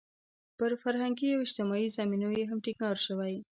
پر فرهنګي او اجتماعي زمینو یې هم ټینګار شوی.